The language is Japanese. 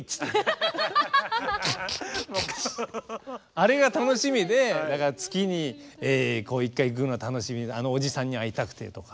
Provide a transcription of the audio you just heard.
あれが楽しみでだから月に一回行くのが楽しみであのおじさんに会いたくてとか。